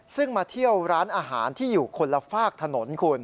ซึ่งมาเที่ยวร้านอาหารที่อยู่คนละฝากถนนคุณ